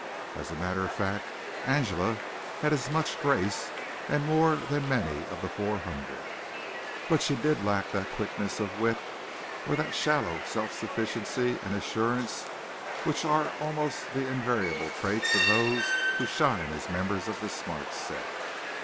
As a matter of fact, Angela had as much grace and more than many of the four hundred, but she did lack that quickness of wit or that shallow self sufficiency and assurance which are the almost invariable traits of those who shine as members of the smart set.